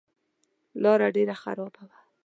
لاره ډېره خرابه وه.